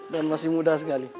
dan masih muda sekali